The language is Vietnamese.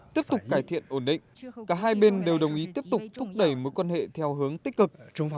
tiếp tục cải thiện ổn định cả hai bên đều đồng ý tiếp tục thúc đẩy mối quan hệ theo hướng tích cực